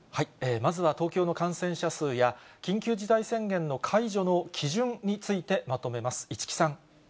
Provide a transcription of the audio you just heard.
まずは東京の感染者数や、緊急事態宣言の解除の基準についてまとめます。